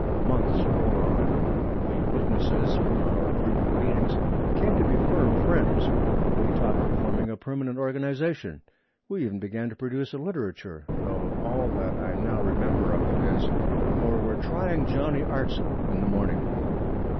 Months wore on; we witnesses, from our frequent meetings, came to be firm friends. We talked of forming a permanent organization. We even began to produce a literature, though all that I now remember of it is, 'For we're trying Johnny Artzle in the morning.'